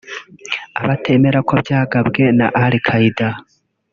Abatemera ko byagabwe na Al Qaeda